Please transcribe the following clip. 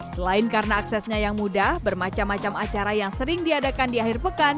selain karena aksesnya yang mudah bermacam macam acara yang sering diadakan di akhir pekan